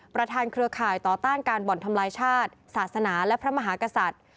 เครือข่ายต่อต้านการบ่อนทำลายชาติศาสนาและพระมหากษัตริย์